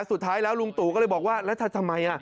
สุดท้ายแล้วลุงตู่ก็เลยบอกว่าแล้วทำไม